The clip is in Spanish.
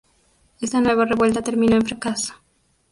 Esta nueva revuelta terminó en fracaso.